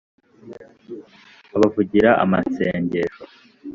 abavugira amasengesho.